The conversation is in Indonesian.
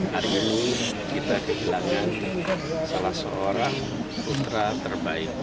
hari ini kita kehilangan salah seorang putra terbaik